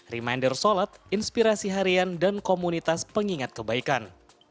reminder sholat inspirasi harian dan komunitas pengingat kebaikan